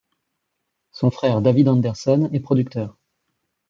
Son frère David Anderson est producteur.